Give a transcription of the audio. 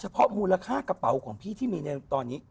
เพราะมูลค่ากระเป๋าของพี่ที่มีในตอนนี้